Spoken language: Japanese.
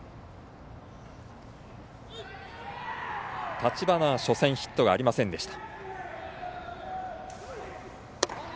立花は初戦、ヒットがありませんでした。